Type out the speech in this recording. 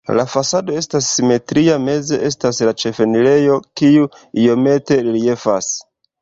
La fasado estas simetria, meze estas la ĉefenirejo, kiu iomete reliefas.